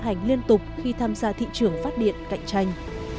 hành liên tục khi tham gia thị trường phát điện cạnh tranh